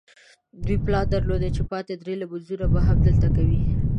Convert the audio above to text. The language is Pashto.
دوی پلان درلود چې پاتې درې لمونځونه به هم دلته کوي.